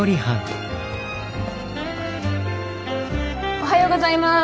おはようございます。